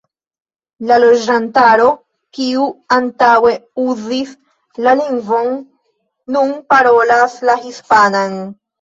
La loĝantaro, kiu antaŭe uzis la lingvon, nun parolas la hispanan.